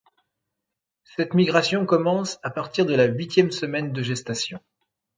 Cette migration commence à partir de la huitième semaine de gestation.